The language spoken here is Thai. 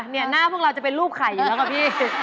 หน้าพวกเราจะเป็นรูปไข่อยู่แล้วค่ะพี่